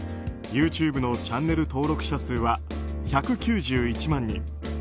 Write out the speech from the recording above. ＹｏｕＴｕｂｅのチャンネル登録者数は１９１万人。